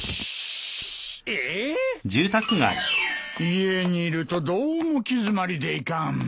家にいるとどうも気詰まりでいかん。